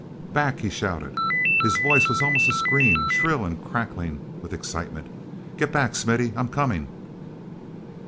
"Back!" he shouted. His voice was almost a scream, shrill and crackling with excitement. "Get back, Smithy! I'm coming!"